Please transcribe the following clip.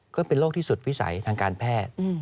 ก็เป็นโรคที่สุดวิสัยทางการแพทย์